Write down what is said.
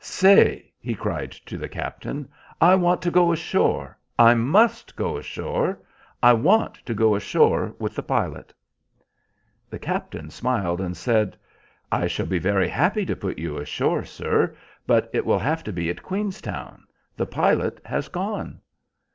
"Say," he cried to the captain, "I want to go ashore. I must go ashore. I want to go ashore with the pilot." The captain smiled, and said, "I shall be very happy to put you ashore, sir, but it will have to be at Queenstown. The pilot has gone."